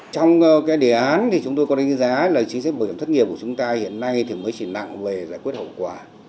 trong cái đề án thì chúng tôi có đánh giá là chính sách bảo hiểm thất nghiệp của chúng ta hiện nay thì mới chỉ nặng về giải quyết hậu quả